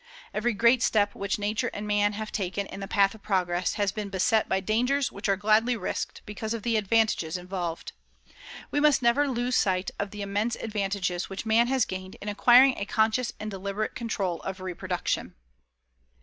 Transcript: Every great step which Nature and man have taken in the path of progress has been beset by dangers which are gladly risked because of the advantages involved. We must never loose sight of the immense advantages which Man has gained in acquiring a conscious and deliberate control of reproduction."